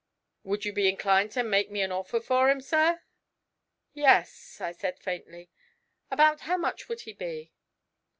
'Would you be inclined to make me a orfer for him, sir?' 'Yes,' I said faintly. 'About how much would he be?'